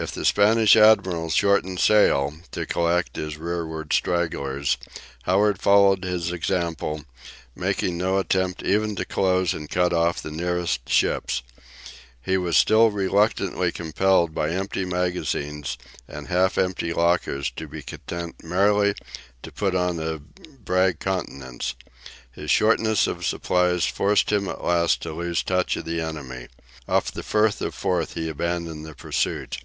If the Spanish admiral shortened sail to collect his rearward stragglers, Howard followed his example, making no attempt even to close and cut off the nearest ships. He was still reluctantly compelled by empty magazines and half empty lockers to be content merely "to put on a brag countenance." His shortness of supplies forced him at last to lose touch of the enemy. Off the Firth of Forth he abandoned the pursuit.